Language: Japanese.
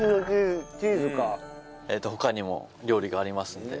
他にも料理がありますので。